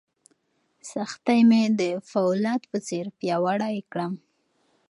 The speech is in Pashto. سختۍ مې د فولاد په څېر پیاوړی کړم.